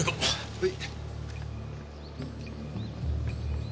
はい。